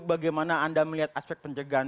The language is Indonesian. bagaimana anda melihat aspek pencegahan